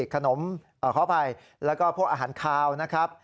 ขนมขออภัยแล้วก็พวกอาหารคาวนะครับ